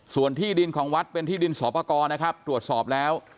ส่วนที่ดินของวัดเป็นที่ดินสอปกรนะครับตรวจสอบแล้ว